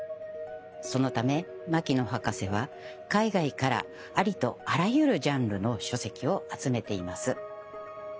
そのため牧野博士は海外からありとあらゆるジャンルの書籍を集めています。